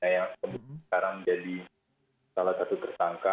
yang sekarang menjadi salah satu tersangka